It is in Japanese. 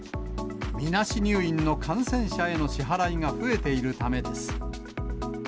みなし入院の感染者への支払いが増えているためです。